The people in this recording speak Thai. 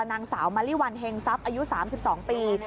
นางสาวมะลิวันเฮงทรัพย์อายุ๓๒ปี